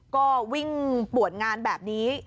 ก็วิ่งปวดงานแบบนี้